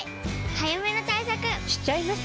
早めの対策しちゃいます。